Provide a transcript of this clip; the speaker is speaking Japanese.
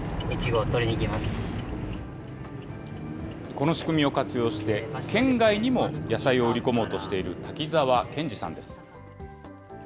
この仕組みを活用して、県外にも野菜を売り込もうとしている滝沢賢司さんです。